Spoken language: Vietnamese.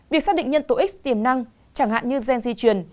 việc xác định nhân tố x tiềm năng chẳng hạn như gen di truyền